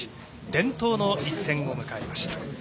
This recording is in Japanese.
伝統の一戦を迎えました。